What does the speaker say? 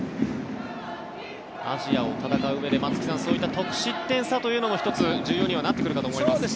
アジアを戦ううえで松木さん、そういった得失点差も１つ、重要にはなってくるかと思います。